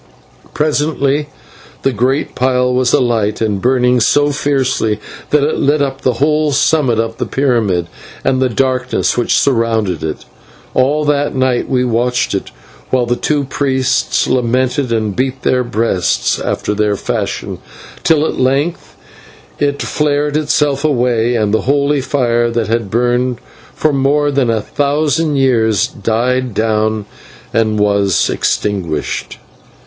Presently the great pile was alight and burning so fiercely that it lit up the whole summit of the pyramid and the darkness which surrounded it. All that night we watched it, while the two priests lamented and beat their breasts after their fashion, till at length it flared itself away, and the holy fire that had burned for more than a thousand years died down and was extinguished.